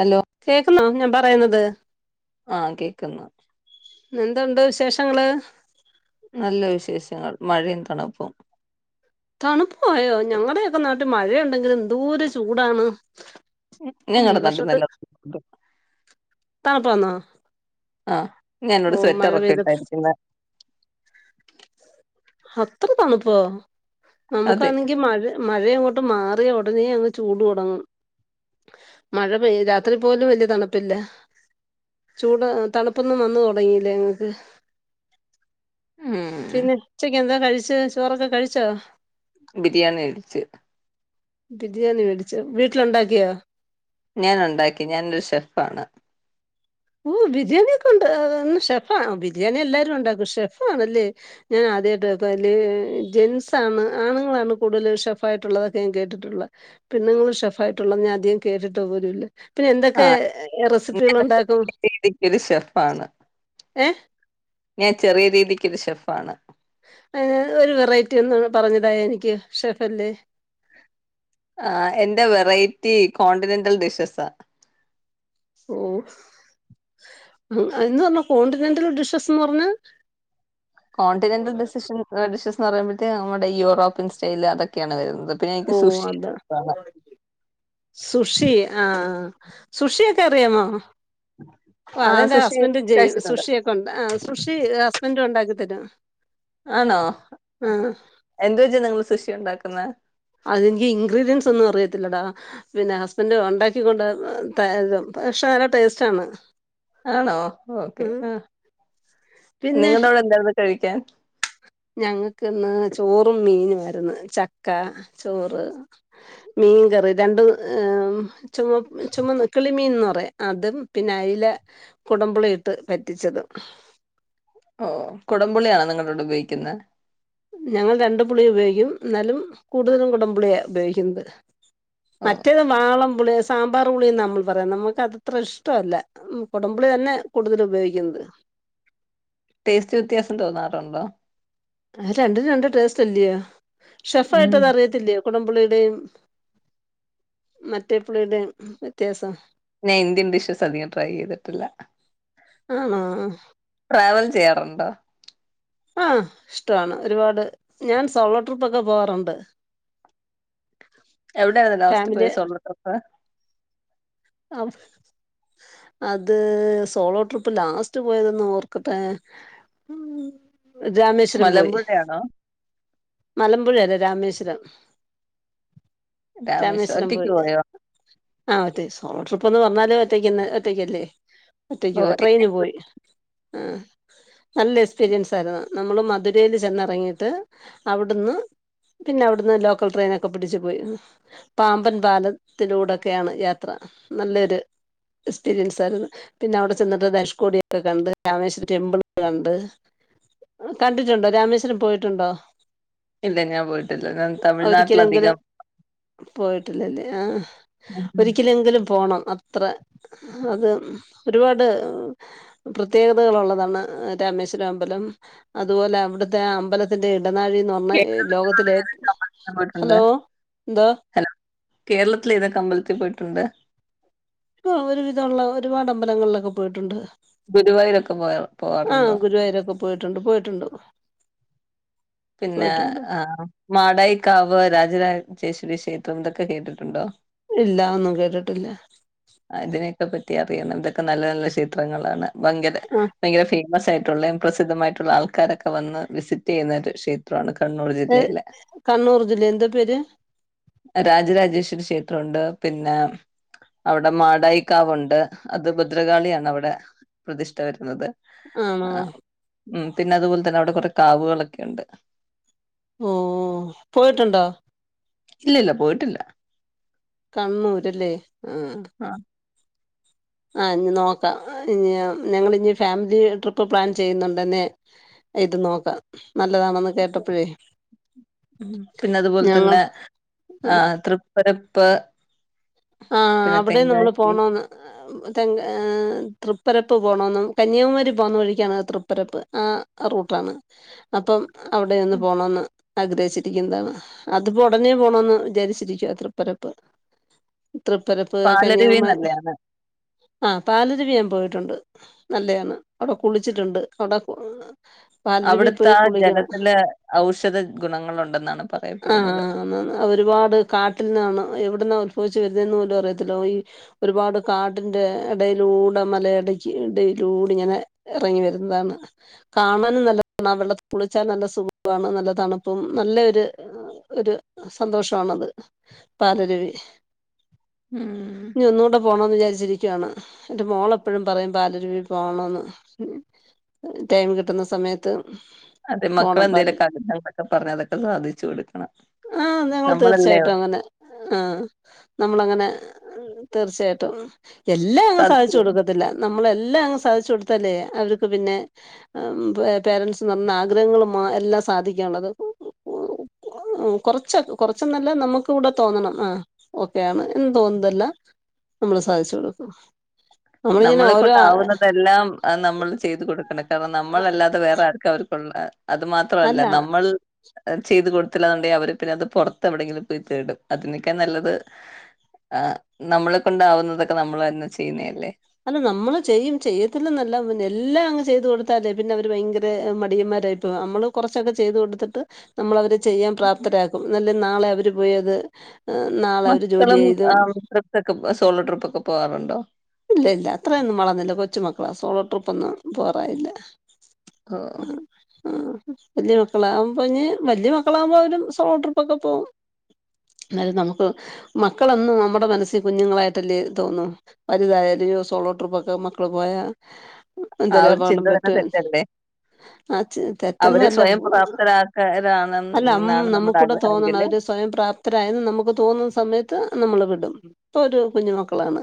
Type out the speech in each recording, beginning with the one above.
Hello കേൾക്കുന്നേ? പറയുന്നത്. ആ കേക്കുന്നു. എന്തുണ്ട് വിശേഷങ്ങള്? നല്ല വിശേഷങ്ങൾ മഴയും തണുപ്പും. തണുപ്പായോ? ഞങ്ങളുടെയെക്കെ നാട്ടിൽ മഴയുണ്ടങ്കിലും എന്തോര് ചൂടാണ്. ഓ ഈ വർഷത്തെ [unintelligible] ആന്നോ? ആ ഞാനിവിടെ സെറ്ററൊക്കെ ഇട്ടാ ഇരിക്കുന്നേ. അത്ര തണുപ്പോ? അതെ നമ്മുക്കാണങ്കി മഴ മഴ അങ്ങോട്ട് മാറിയാ ഉടനെ അങ്ങ് ചൂട് തുടങ്ങും. മഴ പെയ് രാത്രി പോലും വല്ല്യ തണുപ്പില്ല. ചൂടാ തണുപ്പൊന്നും വന്ന് തൊടങ്ങീല്ല ഞങ്ങക്ക്. ഉം പിന്നെ ഉച്ചക്ക് എ ന്താ കഴിച്ചെ ചോറൊക്കെ കഴിച്ചോ? ബിരിയാണി കഴിച്ചു. ബിരിയാണി മേടിച്ചോ വീട്ടിൽ ഉണ്ടാക്കിയോ ഞാൻ ഉണ്ടാക്കി ഞാൻ ഒരു ഷെഫ് ആണ് ഓ ബിരിയാണിയൊക്കെ ഉണ്ടാക്കാ--ഷെഫ് ആണോ ബിരിയാണിയെല്ലാരും ഉണ്ടാക്കും. ഫെഫ് ആണല്ലേ ഞാനാദ്യയിട്ട് കേൾക്കുക്ക അല്ലേ ജെൻസാന്ന് ആണുങ്ങളാണ് കൂടുതലും ഷെഫായിട്ടുള്ളതെന്ന് കേട്ടിട്ടുള്ള. പെണ്ണുങ്ങള് ഷെഫായിട്ടുള്ളത് ഞാനധികം കേട്ടിട്ടു പോലുമില്ല. പിന്നെന്തൊക്കെ റെസിപ്പികളുണ്ടാക്കും.? പിടി കൊരു ഷെഫാണ്. ഏഹ് ഞാൻ ചെറിയ രീതിക്ക്ള്ള ഷെഫാണ് ഏഹ് ഒരു വെറൈറ്റി ഒന്നു പറഞ്ഞു താ എനിക്ക് ഷെഫല്ലേ ആഹ് എന്റെ വെറൈറ്റി കോണ്ടിനെന്റൽ ഡിഷസാ. ഓഹ് ന്ന് അന്ന് പറഞ്ഞ കോണ്ടിനെന്റൽ ഡിഷസന്ന് പറഞ്ഞ? കോണ്ടിനെന്റൽ ഡിഷസൻ ആ ഡിഷസ് എന്ന് പറയുമ്പത്തേക്ക് നമ്മുടെ യൂറോപ്യൻ സ്റ്റൈല് അതൊക്കേണ് വരുന്ന്. ഓഹ് അതാ സുഷി ആഹ് സുഷിയൊക്കറിയാമോ? ഓഹ് ആഹ് അതെന്റെ സുഷി ഹസ്ബൻ്റ് ജയ് കഴിച്ചിട്ടുണ്ട് സുഷിയൊക്കുണ്ടാ ആഹ് സുഷി ഹസ്ബൻ്റുണ്ടാ തിട്ടിട്ടാ ആണോ എന്ത് വെച്ച് നിങ്ങൾ സുഷി ഉണ്ടാക്കു ക്കുന്ന ത്തില്ലടാ പിന്നെ ഹസ്ബൻഡ് ഉണ്ടാക്കൊണ്ട് ത പക്ഷെ നല്ല ടേസ്റ്റ് ആണ് ആണോ ഓക്കെ ആ പിന്നെ നിങ്ങടെ അവിടെ എന്താരുന്നു കഴി ക്കാൻ ഞങ്ങൾക്കിന്ന് ചോറും മീനുവായിരുന്നു ചക്ക ചോറ് മീൻകറി രണ്ടും ചുമ ചുമന്നകിളിമീൻന്ന അതും പിന്നെ അയില കുടമ്പുളി ഇട്ട് പറ്റിച്ചതും ഓ കുടംപുളിയാണോ നിങ്ങളവിട് ഉപയോഗിക്കുന്നത് ഞങ്ങള് രണ്ടു പുളിയും ഉപയോഗിക്കും, എന്നാലും കൂടുതലും കുടംപുളിയ ഉപയോഗിക്കുന്നത്. ഓ മറ്റേത് വാളം പുളിയ സാമ്പാർപുളിന്ന നമ്മൾ പറയുന്ന നമുക്കത്ര ഇഷ്ടമല്ല കുടംപുളി തന്നെ കൂടുതൽ ഉപയോഗിക്കുന്നത് ടേസ്റ്റ് വ്യത്യാസം തോന്നാറുണ്ടോ അത് രണ്ടും രണ്ട് ടേസ്റ്റ് അല്ലിയോ ഷെഫ് ഉം ആയിട്ടത് അറിയത്തില്ലിയോ കുടംപളിയുടെയും മറ്റേ പുളിയുടെയും വ്യത്യാസം ഞാൻ ഇന്ത്യൻ ഡിഷസ് അധികം ട്രൈ ചെയ്തിട്ടില്ല ആണോ ട്രാവൽ ചെയ്യാറുണ്ടോ? ആഹ് ഇഷ്ടാണ് ഒരുപാട് ഞാൻ സോളോ ട്രിപ്പ് ഒക്കെ പോവാറുണ്ട് എവിടെയാണ് ലാസ്റ്റ് പോയ ഫാമിലി സോളോ ട്രിപ്പ്? അ- അത് സോളോ ട്രിപ്പ് ലാസ്റ്റ് പോയതന്ന് ഓർക്കട്ടെ രാമേശ്വരം പോയി മലമ്പുഴയാണോ മലമ്പുഴ അല്ല രാമേ [unintelligible] രാമേശ്, ഒറ്റക്ക് പോയോ? ആ ഒറ്റക്ക് സോളോ ട്രിപ്പ് എന്ന് പറഞ്ഞാലെ ഒറ്റയ്ക്കന്ന് ഒറ്റയ്ക്കല്ലേ ഒറ്റക്ക് ഓ പോയി ഇല്ല ട്രെയിന് പോയി അഹ് നല്ല എക്സ്പീരിയൻസാര്ന്ന് നമ്മള് മധുരേല് ചെന്നേറങ്ങീട്ട് അവിട്ന്ന് പിന്നവിട്ന്ന് ലോക്കൽ ട്രൈനൊക്കെ പിടിച്ച് പോയി പാമ്പാൻ പാലത്തിലുടൊക്കെയായിരുന്നു യാത്ര നല്ലൊരു എക്സ്പീരിയൻസാര്ന്ന് പിന്നവിടചെന്നിട്ട് ദേശ്കോടി ഒക്കെ കണ്ട് രാമേശ്വരം ടെംപിള് കണ്ട് കണ്ടിട്ടുണ്ടോ രാമേശ്വരം പോയിട്ടുണ്ടോ ഇല്ല ഞാൻ പോയിട്ടില്ല ഞാൻ തമിഴ്നാട്ടിലധികം പോയിട്ടില്ലല്ലെ ആഹ കേരളത്തിൽ ഒരിക്കലെങ്കിലും പോണം അത്ര അത് ഒരുപാട് പ്രതേകതകളുള്ളതാണ് രാമേശ്വരമ്പലം അതുപോലെ അവിട്ത്തെ അമ്പലത്തിന്റെ ഇടനാഴിന്ന് പറഞ്ഞാൽ ലോകത്തിലെ ഏതൊക്കെ ഏഹ് അമ്പലത്തിൽ പോയിട്ടുണ്ട് ഹലോ എന്തോ ഹലോ കേരളത്തിലെതൊക്കെ അമ്പലത്തിൽ പോയിട്ടൊണ്ട് [inaudible] ഓ ഒരുവിധവൊള്ള ഒരുപാടാമ്പലങ്ങളിലൊക്കെ പോയിട്ടൊണ്ട് ഗുരുവായൂർരൊക്കെ പോയോ പോകാറുണ്ടോ പോയിട്ടൊണ്ട് പോയിട്ടൊണ്ട് പിന്നെ ആഹ് മാടൈക്കാവ് രാജ രാജ ചേഷരിക്ഷേത്രം ഇതൊക്കെ കേട്ടിട്ടുണ്ടോ ഇല്ല അതൊന്നും കേട്ടിട്ടില്ല അതിനെക്കപറ്റി അറിയണം ഇതെക്കെ നല്ല നല്ല ഷേത്രങ്ങളാണ് ഭങ്കര ആ ഭയങ്കര ഭി മസായിട്ടൊള്ളെയും പ്രസിദ്ധമായിട്ടൊള്ളാആൾക്കാരോക്കെ വന്ന് വിസിറ്റ് ചെയുന്നൊരു ഷേത്രവാണിത്- ത് കണ്ണൂർ ജില്ലേ എന്തൊ പേര്? ഇതൊണ്ട് പിന്നാം- അവിടെ മാടൈക്കാവൊണ്ട് അത് ഭദ്രകാളിയാണ് അവിടെ പ്രതിഷ്ട്ട വരുന്നത്- ആണോ? മ് പിന്നതുപോൽ തന്നെ അവിടെ കൊറേ കാവുകളൊക്കെ ഒണ്ട്- ഓഹ് പോയിട്ടൊണ്ടോ? ഇല്ലില്ല പോയിട്ടില്ല- കണ്ണൂര് ല്ലേ? [unintelligible] ആ അഹ് ഇനിനോക്ക ഇനി ഞ ഞങ്ങളിനി ഫാമിലി ട്രിപ്പ്‌ പ്ലാൻ ചെയ്യുന്നുണ്ടെന്നേ ഇത് നോക്കാം- നല്ലതാണെന്ന് കേട്ടപ്പോഴേ [inaudible] പിന്നത്പോൽ ഞങ്ങൾ തന്നെ അഹ് തൃപ്പര പ്പ്- അഹ് അവിടേം നമ്മള് പോണോന്ന്- തെങ്കാ അഹ് തൃപ്പരപ്പ് പോണോന്ന് കന്യാകുമാരി പോന്ന വഴിക്കാണ് തൃപ്പരപ്പ് അഹ് ആ റൂട്ടാണ് അപ്പം- അവിടെ ഒന്നുപോണോന്ന്- ആഗ്രഹിച്ചിരിക്കുന്നതാണ് അതിപ്പോ ഒടനെ പോണോന്ന് വിചാരിച്ചിരിക്കുവാ തൃപ്പരപ്പ്- തൃപ്പരപ്പ് പാലരുവി കന്യാകുമാ നല്ലയാണ് അഹ് പാലരുവി ഞാൻ പോയിട്ടൊണ്ട് നല്ലയാണ് യടോ കുളിച്ചിട്ടുണ്ട് അതാ [unintelligible] [unintelligible] അവിടുത്തെ പോയി ആ കുളിക്കണം. ജലത്തില് ഔഷധ ഗുണങ്ങളുണ്ടെന്നാണ് ആ പറയപ്പെടുന്നത് ഒരുപാട് കാട്ടിന്നാണ് എവിട്ന്നാ ഉത്ഭവി [unintelligible] അറിയത്തില്ല ഓയി ഒരുപാട് കാടിന്റെ എടയിലൂടെ മലയിടക്കി ഇടയിലൂടെങ്ങനെ ഇറങ്ങി വരുന്നതാണ്. കാണാനും നല്ല [unintelligible] ആ വെള്ളത്തിൽ കുളിച്ചാൽ നല്ല സുഗാണ് നല്ല തണുപ്പും നല്ലൊർ ഒര് സന്തോഷാണത് [unintelligible] ഉം ഇഞ്ഞ് ഒന്നൂടെ പോണന്ന് വിചാരിച്ചിരി ക്കാണ്. എന്റെ മോളപ്പഴും പറയും ബാലരുവീ പോണന്ന് [unintelligible] കിട്ടുന്ന സമയത്ത് അത്‌ പോണം അപ്പ അത് മക്കളേന്തേലൊക്കെ അങ്ങട്ടുമിങ്ങട്ടൊക്കെ പറഞ്ഞാൽ അത് സാധിച്ച് കൊട്ക്കണം. ആഹ് ഞങ്ങള് ഞമ്മളല്ലെ അവർ ഞമ്മളങ്ങനെ തീർച്ചായിട്ടും എല്ലാങ്ങനെ സാധിച്ച് സാധിച്ചു കൊടക്കത്തില്ല നമ് ഞമ്മളെല്ലങ്ങ് സാധിച്ച് കൊട്ത്താല് അവർക്ക് പിന്നെ മ് പേരന്റ്സ്നന്നാഗ്രഹങ്ങളും എല്ലാം സാധിക്കാനുള്ളത് കൊർചൊക്കെ കൊർച്ചൊന്നല്ല ഞമ്മക്കൂടെ തോന്നണം ആ ഓക്കെ ണ് തോന്നുന്നതെല്ലാം ഞമ്മൾ സാധിച്ചാടുക്കും ഞമ്മളെ കൊണ്ടാവുന്നതെല്ലാം ഞമ്മൾ ചെയ്ത് കൊട് [unintelligible] ഞമ്മളല്ലാതെ വേറെ ആർക്കാ അവർക്കുള്ളെ അത് മാത്രമല്ല അല്ല ഞമ്മൾ ചെയ്ത് കൊട്ത്തില്ലാണ്ടങ്കി അവർ പിന്നെ അത് പൊറത്ത് എവിടെങ്കിലും പോയി തേടും അതിനേക്കാൾ നല്ലത് ഏ നമ്മളെ കൊണ്ടാവുന്നതൊക്കെ ഞമ്മളന്നേ ചെയ്യുന്നതല്ലേ അല്ല നമ്മള് ചെയ്യും ചെയ്യതില്ലന്നല്ല എല്ലാ അങ്ങ് ചെയ്ത് കൊട്ത്താലേ പിന്നെ അവർ ഭയങ്കര മടിയന്മാരായി പോകും നമ്മളങ്ങ് കൊർച്ചൊക്കെ ചെയ്ത് കൊട്ത്തിട്ട് നമ്മളവരെ ചെയ്യാൻ പ്രാപ്തരാകും നല്ലേ നാളെ അവർപോയത് മക്കളും പുറതൊക്കെ സ്കൂൾ ട്രിപ്പൊക്കെ പോകാറുണ്ടോ? ഇല്ല ഇല്ല അത്രയെന്നും വളർന്നില്ല കൊച്ചുമക്കളാ സോളോ ട്രിപ്പൊന്നും പോകാറായില്ല ഓ ആ വല്യ മക്കളാകുമ്പോഞ്ഞ് വല്യ മക്കളാകുമ്പോ അവര് സോളോ ട്രി പ്പൊക്കെ പോകും ന്നാലും നമ്മക്ക് മക്കളെന്നും നമ്മുടെ മനസ്സിൽ കുഞ്ഞുങ്ങളായിട്ടല്ലേ തോന്നു വലുതായാ [unintelligible] സോളോ ട്രിപ്പൊക്കെ മക്കള് പോയോ [unintelligible] ആ ഒരു ചിന്ത തന്നെ തെറ്റല്ലേ ആ അവരെ തെറ്റൊന്നല്ല സ്വയം പ്രാപ്തരാക്കലാണ് അല്ല മ് എന്നാണ് നമ്മുടെ നമുക്കൂടെ തോന്നണം ആഗ്രഹമെങ്കില് അവർ സ്വയം പ്രാപ്തരായെന്ന് നമുക്ക് തോന്നുന്ന സമയത്ത് നമ്മള് വിടും ഇപ്പോ ഓര്കുഞ്ഞുമക്കളാണ്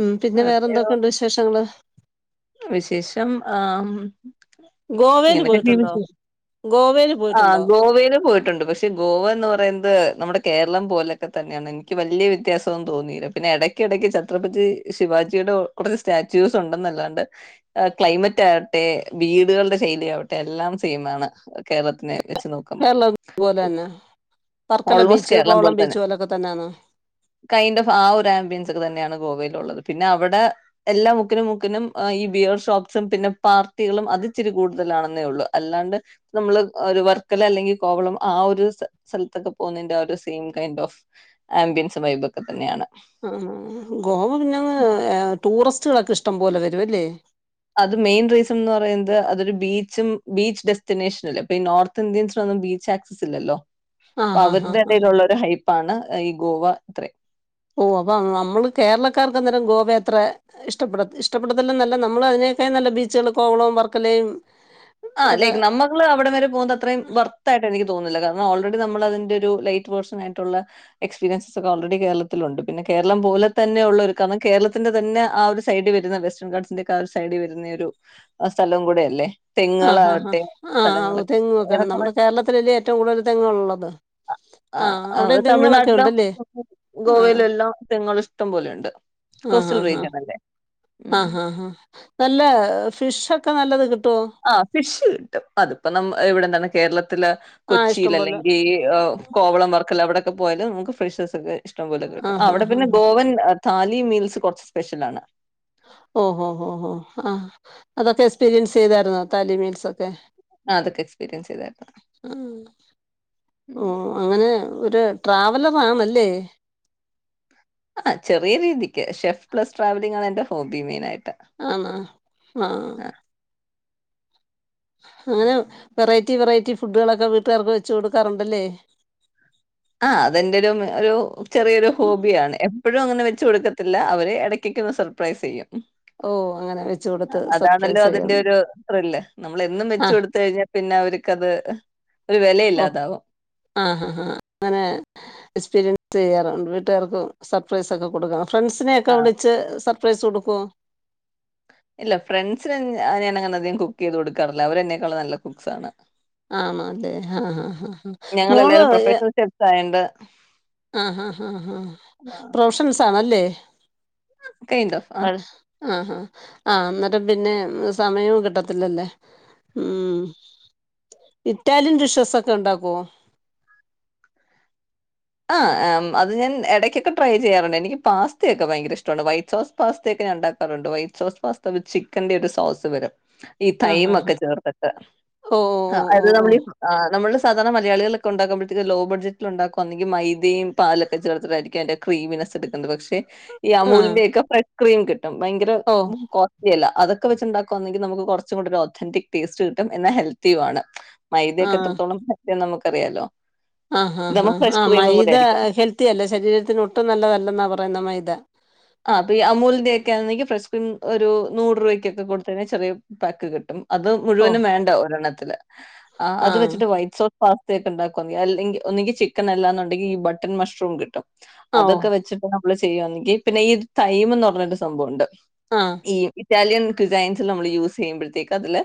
മ് പിന്നേ വേറെ എന്തൊക്കെയുണ്ട് വിശേഷങ്ങള് വിശേഷം ആ മ് ഗോവേല് ഇങ്ങനെക്കെന്നേണ് പോയിട്ടുണ്ടോ? ഗോവേല് ആ പോയിട്ടുണ്ടോ? ഗോവേല് പോയിട്ടുണ്ട് പക്ഷേ ഗോ വാന്ന് പറയുന്നത് നമ്മടെ കേരളം പോലേക്കെത്തന്നാണ് എനിക്ക് വല്ല്യ വ്യത്യാസൊന്നും തോന്നിയില്ല പിന്നെ എടക്കിടക്ക് [unintelligible] പറ്റി ശിവാജിയുടെ കൊ കൊറേ സ്റ്റാറ്റാച്ചൂസ് ഒണ്ടെന്നല്ലാണ്ട് ഏ കൈമെറ്റ് ആവട്ടെ വീട്കൾടെ ശൈലിയാവട്ടെ എല്ലാം സൈംമാണ് കേരളത്തിനേ വെച്ചുനോക്കുമ്പോ കേരളം പോലെ തന്നെ വർക്കല ഓൾമോസ്റ്റ് ബീച്ച് കേരളം കോവളം പോൽ തന്നെ ബീച്ച് പോലൊക്കെ തന്നെയാണോ? കൈൻഡ് ഓഫ് ആ ആമ്പിയൻസൊക്കെ തന്നെയാണ് ഗോവയിലുള്ളത് പിന്നെ അവിടെ എല്ലാ മുക്കിലും മുക്കിലും ഈ വിയോ ഷോപ്പ്സും പിന്നെ പാർട്ടികളും അത് ഇച്ചിരി കൂടുതലാണെന്നേള്ളു അല്ലാണ്ട് നമ്മള് വർക്കല അല്ലെങ്കി കോവളം ആ ഒരു സ്ഥലത്തൊക്കെ പോന്നേന്റെ ഒരു സീൻ കൈൻഡ് ഓഫ്‌ ആമ്പിൻസും വൈബോക്കെ തന്നെയാണ് ആ ആ ഗോവ പിന്നങ്ങനെ ടൂറിസ്റ്റ് സ്സുകളൊക്കെ ഇഷ്ടം പോലെ വരുവല്ലേ അത് മെയിൻ റീസൺ എന്ന് പറയുന്നത് അതൊരു ബീച്ച് വെസ്റ്റിനേഷൻ അല്ലേ നോർത്ത് ഇന്ത്യൻസിനൊന്നും ബീച്ച് ആക്സിസ് ഇല്ലല്ലോ ആഹ് ആഹ് അവരുടെ ആഹ് കയ്യിലുള്ളൊരു ഹൈപാണ് ഈ ഗോവ അത്രേം നമ്മളെ കേരളക്കാർക്ക് ഗോവ അത്ര ഇഷ്ടപ്പെടത്തില്ല എന്നല്ല നമ്മൾ അതിനേക്കാൾ ബീച്ചുകൾ കോവളോം വർക്കലയും ആ ഒക്കെ ലൈക് നമ്മൾ അവിടം വരെ പോന്നത്രയും വർത്തായിട്ടിരിക്കും തോന്നില്ല ഓൾറെഡി നമ്മളതിന്റെ ഒരു ലൈറ്റ് വേർഷൻ ആയിട്ടുള്ള എക്സ്പീരിയൻസ് ഒക്കെ കേരളത്തിൽ ഉണ്ട് പിന്നെ കേരളം പോലെ തന്നെ ഉള്ളോരുക്കാണ് കേരളത്തിൻറെ തന്നെ ആ ഒരു സൈഡിൽ വരുന്ന [unintelligible] ആ സൈഡിൽ വരുന്ന ഒരു സ്ഥലം കൂടയല്ലേ ആ ആ തെങ്ങുക്കെണ്ട് ഏറെക്കുറെ നമ്മുടെ കേരളത്തിൽ അല്ലേ ഏറ്റവും കൂടുതൽ തെങ്ങുകൾ ഉള്ളത് തമിഴ്നാട്ടിലൊ ഉണ്ടല്ലേ ആഹ് ഗോവയിലോ എല്ലാം തെങ്ങുകൾ ഇഷ് ഇഷ്ടം പോലെയുണ്ട് ആഹ് കോസ്റ്റൽ ആഹ് റീജിയൻ അല്ലേ? ഉം. ആഹ് ആഹ് നല്ല ഫിഷും. ഒക്കെ നല്ലത് കി ആഹ് ഫിഷ് കിട്ടും അത് ഇപ്പൊ നമ്മ് ഇവിടുന്ന്. കേരള ത്തിലെ ആഹ് കൊച്ചിയിൽ ഇഷ്ടം പോലെ അല്ലെങ്കിൽ കോവളം വർക്കല അവിടെ. അവിടെ പോയാല് നമുക്ക് ഫ്രഷ്സ് ഒക്കെ. ഇഷ്ടം പോലെ കിട്ടും ആഹ് അവിടെ ആഹ് പിന്നെ. ആഹ് [unintelligible] ഡാലിയും മീൽസ് കുറച്ച് സ്പെഷ്യലാണ്. ഓ ഓ ഓ ഓ ആഹ് അതൊക്കെ എക്സ്പീരിയൻസ് ചെയ്തായിരുന്നു ഡലിയും മീൽസ് ഒക്കെ. അതൊക്കെ എക്സ്പീരിയൻസ് ചെയ്തായിരുന്നു ആഹ് ഉം അങ്ങനെ. ഒരു ട്രാവലർ ആണല്ലേ. ആഹ് ചെറിയ രീതിക്ക് ഷെഫ് പ്ലസ് ട്രാവലിംഗ് ആണ് എന്റെ ഹോബി മെയിൻ ആയി ആണോ ആഹ്. അങ്ങനെ പറയ്. വെറൈറ്റി വെറൈറ്റി ഫുഡ്ഡുകളൊക്കെ വീട്ടുകാർക്ക് വെച്ച് കൊടുക്കാറുണ്ടല്ലേ. ആഹ് അത് എന്റെയൊരു ഒരു ചെറിയൊരു ഹോബിയാണ്. എപ്പോഴും അങ്ങനെ വച്ച് കൊടുക്കത്തില്ല, അവരെ ഇടക്കിടയ്ക്ക് ഒരു സർപ്രൈസ് ചെയ്യും. ഉം ഓഹ് അങ്ങനെ വെച്ച് കൊടുത്ത് അതാണല്ലോ സർപ്രൈസ് ചെയ്യാൻ അതിന്റെ ഒരു ത്രില്ല്, നമ്മള് എന്നും വെച്ചു ആഹ് കൊടുത്തു കഴിഞ്ഞാൽ പിന്നെ അവർക്ക് അത്. ഒരു വെലയില്ലാതാകും ന് എക്സ്പീരി യ്യാർ വീട്ടുകാർക്ക് സർപ്രൈസ് ഓക്കേ കൊടുക്കാ ഫ്രണ്ട്സിനെ ഒക്കെ ആ വിളിച്ച് സ പ്രൈസ് കൊടുക്കോ? ഇല്ല ഫ്രണ്ട്സിന് ഞാൻ അധികം കുക്ക് ചെയ്തു കൊടുക്കാറില്ല അവരെന്നെക്കാൾ നല്ല കുക്കാണ് ആണോ അതെ ആ ആ മോള് ഞങ്ങളെല്ലാരും പ്രൊഫഷണൽ ഷെഫ്സ് [inaudible] ആ ആആ ആ [unintelligible] [inaudible] [unintelligible] കൈൻഡ് ഓഫ് അ ആഹ്. ആ ആ അന്നേരം പിന്നെ സമയവും കിട്ടത്തില്ലല്ലേ മ് ഇറ്റാലിയൻ ഡിഷ സൊക്കെ ഉണ്ടാക്കുവോ ആ ആ മ്മ് അത് ഞാൻ എടക്കൊക്കെ ട്രൈ ചെയ്യാറുണ്ട് എനിക്ക് പാസ്തയൊക്കെ ഭയങ്കര ഇഷ്ടണ്ട് വൈറ്റ് സോസ് പാസ്തയൊക്കെ ഞാൻ ണ്ടാക്കാറുണ്ട് വൈറ്റ് സോസ് പാസ്ത ചിക്കന്റെയൊക്കെ ഒരു സോസ് വരും ഈ ആഹ് ആഹ് തമൊക്കെ ചേർത്തിട്ട് ഓഹ് അതയത് ഓഹ് നമ്മളീ നമ്മള് സാധാരണ മലയാളികളൊഒക്ക ഉണ്ടാക്കുമ്പഴത്തേക്ക് ലോ ബഡ്ജറ്റിൽ ഉണ്ടാക്കും ഒന്നെങ്കി മൈദയും പാലൊക്കെ ചേർത്തിട്ടായിരിക്കാം അയിന്റെ ക്രീമിനസ് എടുക്കുന്നത് പക്ഷെ ഈ അമൂലിന്റെയൊക്കെ ഫ്രൺ ക്രീംക് ഭയങ്കര ഓഹ് ഓഹ് കോസ്റ്റ്ലി അല്ല അതൊക്കെ വെച്ച്ണ്ടാക്കുകവാന്നെങ്കി നമുക്ക് കുറച്ചുകൂടെ ഒരു ഒതന്റിക് ടേസ്റ്റ് കിട്ടും എന്നാ ഹെൽത്തിയുആണ് മൈദയൊക്കെ എത്രത്തള [unintelligible] നമുക്ക് അറിയാലോ ആ ഹാ ഹാ ആ മൈദ ആയിരിക്കും. ഹെൽത്തിയല്ല ശരീരത്തിന് ഒട്ടും നല്ലതല്ലെന്നാ പറയുന്നെ അ മൈദ ആ അപ്പൊ ഈ അമൂലിന്റെയൊക്കെയൊആന്നെങ്കിൽ ഫ്രഷ് ക്രീം ഒരു നൂറ് രൂപയ്ക്കൊക്കെ കൊടുത്തെഴ്ഞ്ഞ ചെറിയ പാക്ക് കിട്ടും അത് ഓഹ് മുഴുവനും വേണ്ട ഒരെണ്ണത്തില് ആ അത് ആഹ് വെച്ച്ട്ട് വൈറ്റ് സോ പാസ്തയൊക്കെ ഇണ്ടാക്കും. അല്ലെങ്കി ഒന്നുകി ചിക്കൻ അല്ലാന്നുണ്ടെങ്കി ഈ ബട്ടൺ മഷ് റൂം കിട്ടും. ഓഹ് അതൊക്കെ വെച്ചി മ്മള് ചെയ്യാങ്കി പിന്നെ ഈ ഇത് തൈം ന്ന് പർഞ്ഞൊരു സംഭവംണ്ട്. ആഹ് ഈ ഇറ്റാലിയൻ ക്സൈൻസ് നമ്മൾ യൂസ് ചെയ്യുമ്പത്തേക്ക് അതില്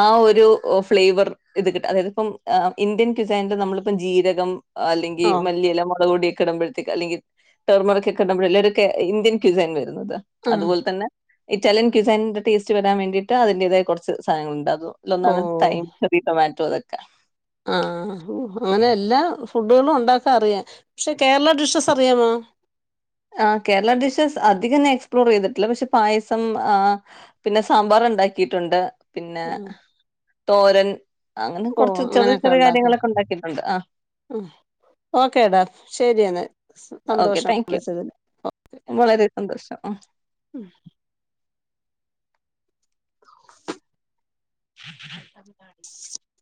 ആ ഒരു ഫ്ലേവർ ഇത് കിട്ടും. അതായത് ഇപ്പം ഇന്ത്യൻ ക്സൈൻന്റെ നമ്മളിപ്പം ജീരകം. അല്ലെങ്കി ഓ മല്ലിയെല, മൊളക് പൊടിയൊ കിടുമ്പഴത്തേക്ക് അല്ലെങ്കി ടെർമറ് ഇടുമ്പോയെല്ലെക്കെ ഇന്ത്യൻ ക്യസൻ വ ആഹ് അതുപോലെ തന്നെ. ഇറ്റാലിയൻ ക്സൈന്റെ ടേസ്റ്റ് വരാൻ വേണ്ടിട്ട് അതിന്റേതായ കൊർച്ച് സാധനങ്ങൾ ഉണ്ടാകും. ഓ അല്ലൊന്നാണ് തൈം, ചെറീ, ടൊ മാറ്റോ ഇ ആഹ് അങ്ങനെ എല്ലാ ഫുഡുകളും ഒണ്ടാക്കാൻ അറിയ. പക്ഷെ കേരള ഡിഷസ് അറിയാമോ? ആഹ് കേരള ഡിഷസ് അധികംന്ന എക്സ്പ്ലോർ ചെയ്തിട്ടില്ല. പക്ഷെ പായസം ആ പിന്നെ സാമ്പാറണ്ടാക്കിയിട്ടുണ്ട് പിന്ന ഉം തോരൻ അങ്ങനെ ഓ കുറച്ച് ചെറിയ അങ്ങനെയൊക്കെ ചെറിയ ഉണ്ടാക്കും കാര്യങ്ങളൊക്കെ ഉണ്ടാക്കിയിട്ടുണ്ട് ആ ഓക്കേടാ ശരിയെന്നെ ഓക്കെ സന്തോഷം താങ്ക് യു വിളിച്ചതില്. വളരെ സന്ദോഷം. ഉം. [unintelligible] [unintelligible]